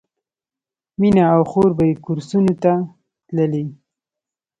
مینه او خور به یې کورسونو ته تللې